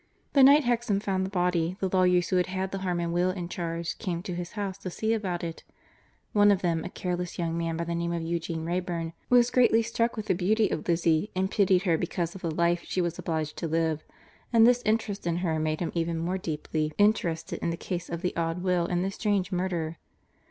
The night Hexam found the body the lawyers who had the Harmon will in charge came to his house to see about it. One of them, a careless young man by the name of Eugene Wrayburn, was greatly struck with the beauty of Lizzie, and pitied her because of the life she was obliged to live, and this interest in her made him even more deeply interested in the case of the odd will and the strange murder.